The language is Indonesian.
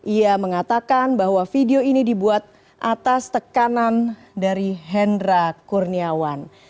ia mengatakan bahwa video ini dibuat atas tekanan dari hendra kurniawan